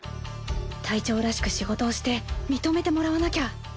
隊長らしく仕事をして認めてもらわなきゃ。